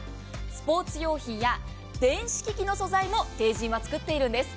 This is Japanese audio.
スポーツ用品や電子機器の製品も作っているんです。